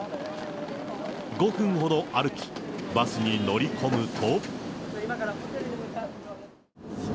５分ほど歩き、バスに乗り込むと。